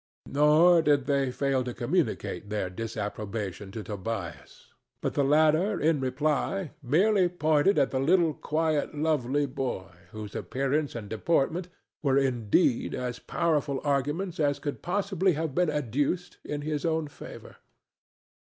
Nor did they fail to communicate their disapprobation to Tobias, but the latter in reply merely pointed at the little quiet, lovely boy, whose appearance and deportment were indeed as powerful arguments as could possibly have been adduced in his own favor.